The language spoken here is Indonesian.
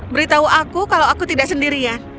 beritahu aku kalau aku tidak sendirian